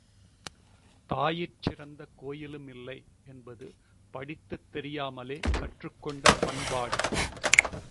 தாயிற் சிறந்த கோயிலுமில்லை என்பது படித்துத் தெரியாமலே கற்றுக் கொண்ட பண்பாடு.